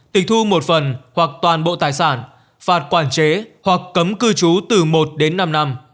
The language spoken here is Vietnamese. tịch thu một phần hoặc toàn bộ tài sản phạt quản chế hoặc cấm cư trú từ một đến năm năm